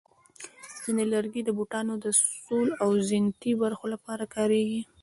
ځینې لرګي د بوټانو د سول او زینتي برخو لپاره کارېږي.